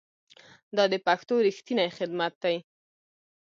دا د پښتو ریښتینی خدمت دی.